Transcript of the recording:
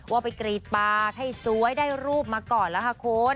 ว่าไปกรีดปากให้สวยได้รูปมาก่อนแล้วค่ะคุณ